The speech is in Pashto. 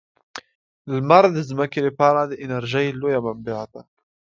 لمر د ځمکې لپاره د انرژۍ لویه منبع ده.